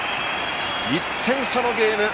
１点差のゲーム。